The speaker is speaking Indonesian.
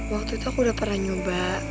waktu itu aku udah pernah nyoba